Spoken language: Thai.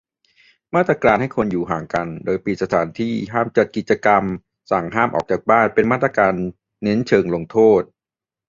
มาตรการให้คนอยู่ห่างกัน โดยปิดสถานที่ ห้ามจัดกิจกรรม สั่งห้ามออกจากบ้าน เป็นมาตรการเน้นเชิงลงโทษ